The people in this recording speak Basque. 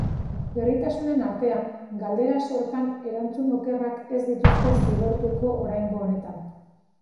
Berritasunen artean, galdera-sortan erantzun okerrak ez dituzte zigortuko oraingo honetan.